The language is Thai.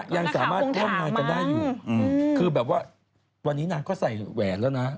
ยังสามารถร่วมงานกันได้อยู่คือแบบว่าวันนี้นางก็ใส่แหวนแล้วนะ